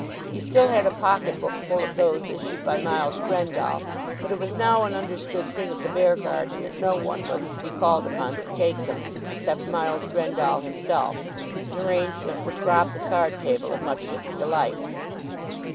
He still had a pocket book full of those issued by Miles Grendall; but it was now an understood thing at the Beargarden that no one was to be called upon to take them except Miles Grendall himself; an arrangement which robbed the card table of much of its delight.